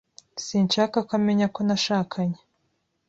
Sinshaka ko amenya ko nashakanye.